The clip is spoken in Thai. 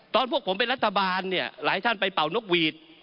พวกผมเป็นรัฐบาลเนี่ยหลายท่านไปเป่านกหวีด